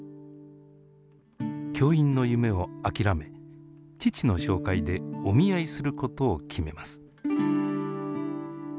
教員の夢を諦め父の紹介でお見合いすることを決めます。